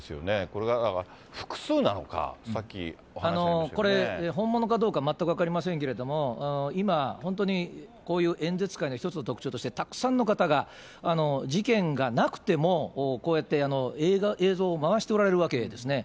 これが複数なのか、これ、本物かどうか全く分かりませんけれども、今、本当にこういう演説会の一つの特徴として、たくさんの方が事件がなくても、こうやって映像を回しておられるわけですね。